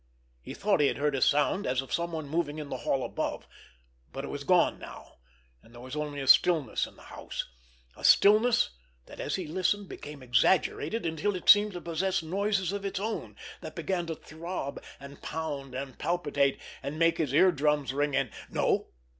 He thought he had heard a sound as of someone moving in the hall above, but it was gone now and there was only a stillness in the house, a stillness that, as he listened, became exaggerated until it seemed to possess noises of its own that began to throb, and pound, and palpitate, and make his eardrums ring, and—_no!